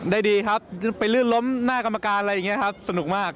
ดีครับไปลื่นล้มหน้ากรรมการอะไรอย่างนี้ครับสนุกมาก